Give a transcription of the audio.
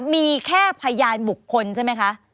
มีแค่พยานบุคคลใช่ไหมคะ